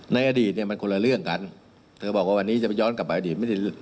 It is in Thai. ในอดีตเนี่ยมันคนละเรื่องกันเธอบอกว่าวันนี้จะไปย้อนกลับไปอดีตไม่ได้